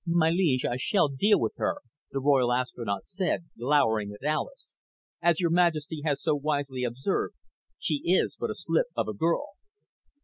"My liege, I shall deal with her," the Royal Astronaut said, glowering at Alis. "As Your Majesty has so wisely observed, she is but a slip of a girl."